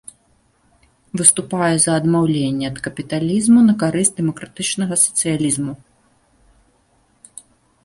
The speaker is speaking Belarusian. Выступае за адмаўленне ад капіталізму на карысць дэмакратычнага сацыялізму.